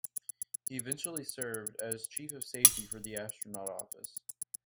He eventually served as Chief of Safety for the Astronaut Office.